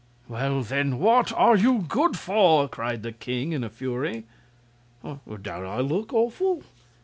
"Well, then, what are you good for?" cried the king, in a fury. "Don't I look awful?